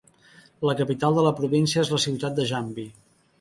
La capital de la província és la ciutat de Jambi.